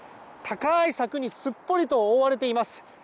高い柵にすっぽりと覆われています。